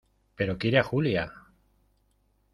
pero quiere a Julia.